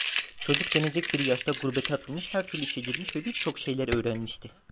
Çocuk denecek bir yaşta gurbete atılmış, her türlü işe girmiş ve birçok şeyler öğrenmişti.